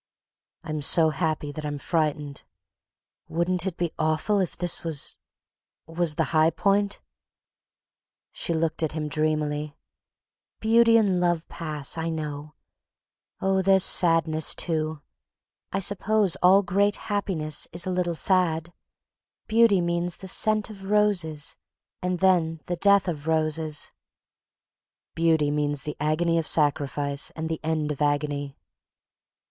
"I'm so happy that I'm frightened. Wouldn't it be awful if this was—was the high point?..." She looked at him dreamily. "Beauty and love pass, I know.... Oh, there's sadness, too. I suppose all great happiness is a little sad. Beauty means the scent of roses and then the death of roses—" "Beauty means the agony of sacrifice and the end of agony...."